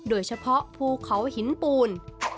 โดยเฉพาะภูเขาหินปูน